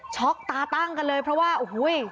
ช็อกตาตั้งกันเลยเพราะว่าอุ้ย